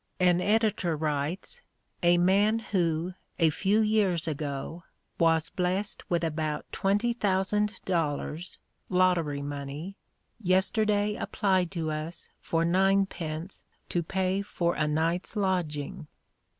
An editor writes "A man who, a few years ago, was blest with about twenty thousand dollars (lottery money), yesterday applied to us for ninepence to pay for a night's lodging."